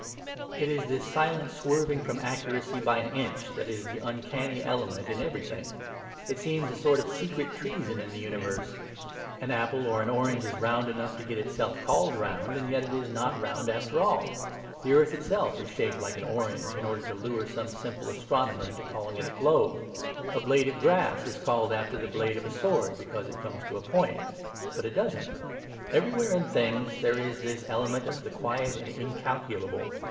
It is this silent swerving from accuracy by an inch that is the uncanny element in everything. It seems a sort of secret treason in the universe. An apple or an orange is round enough to get itself called round, and yet is not round after all. The earth itself is shaped like an orange in order to lure some simple astronomer into calling it a globe. A blade of grass is called after the blade of a sword, because it comes to a point; but it doesn't. Everywhere in things there is this element of the quiet and incalculable.